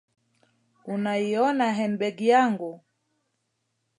Unaiona henbegi yangu?